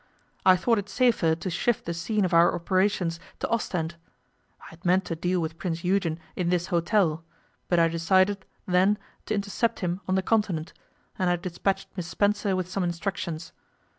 I thought it safer to shift the scene of our operations to Ostend. I had meant to deal with Prince Eugen in this hotel, but I decided, then, to intercept him on the Continent, and I despatched Miss Spencer with some instructions.